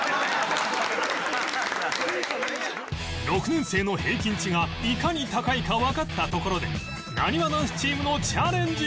６年生の平均値がいかに高いかわかったところでなにわ男子チームのチャレンジ！